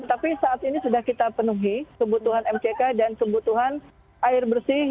tapi saat ini sudah kita penuhi kebutuhan mck dan kebutuhan air bersih